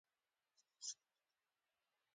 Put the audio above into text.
ډاکټر وویل: همدا یې ښه لار ده، بل چانس پکې نشته.